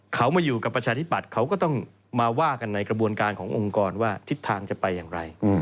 เขามาอยู่กับประชาธิปัตย์เขาก็ต้องมาว่ากันในกระบวนการขององค์กรว่าทิศทางจะไปอย่างไร